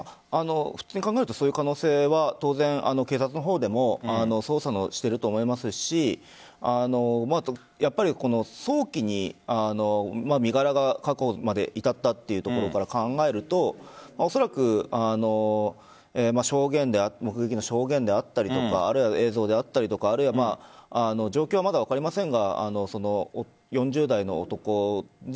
普通に考えるとそういう可能性は当然、警察の方でも捜査していると思いますし早期に身柄確保まで至ったというところから考えるとおそらく目撃の証言であったりとか映像であったりとか状況はまだ分かりませんが４０代の男